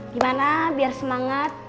gimana biar semangat